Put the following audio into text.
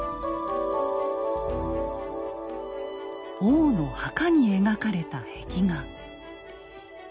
王の墓に描かれた壁画。